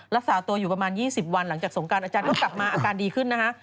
รักษาตัวอยู่ประมาณ๒๐วันหลังจากสงการอาจารย์ก็กลับมาอาการดีขึ้นนะคะ